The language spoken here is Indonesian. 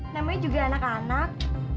namanya juga anak anak